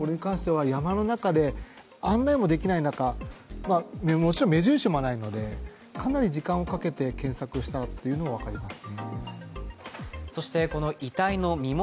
山の中で案内もできない中、もちろん目印もないので、かなり時間をかけて検索したというのが分かります。